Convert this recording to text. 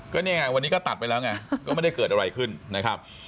ก็นี่ไงวันนี้ก็ตัดไปแล้วไงก็ไม่ได้เกิดอะไรขึ้นนะครับ